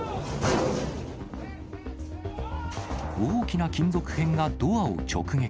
大きな金属片がドアを直撃。